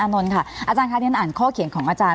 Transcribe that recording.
อาจารย์อานนท์ค่ะอาจารย์ค่าเทียนอ่านข้อเขียนของอาจารย์